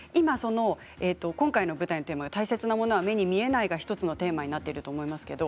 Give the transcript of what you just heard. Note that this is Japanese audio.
今回の舞台でも大切なものが目に見えないが１つのテーマになっています。